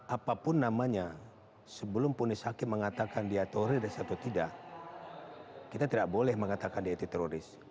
apapun namanya sebelum punis hakim mengatakan dia teroris atau tidak kita tidak boleh mengatakan dia itu teroris